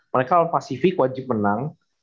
mereka pasifik wajib menang